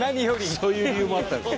そういう理由もあったんですか？